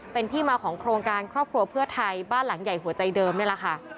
เป็นที่มาของโครงการครอบครัวเพื่อไทยบ้านหลังใหญ่หัวใจเดิมนี่แหละค่ะ